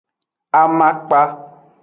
Amakpa.